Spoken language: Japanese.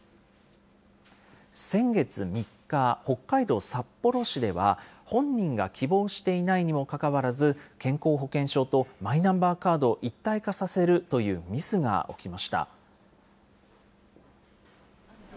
先月３日、北海道札幌市では、本人が希望していないにもかかわらず、健康保険証とマイナンバーカードを一体化させるというミスが起きました。